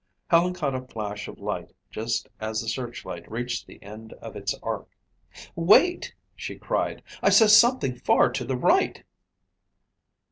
Helen caught a flash of white just as the searchlight reached the end of its arc. "Wait!" she cried. "I saw something far to the right."